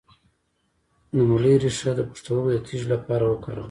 د مولی ریښه د پښتورګو د تیږې لپاره وکاروئ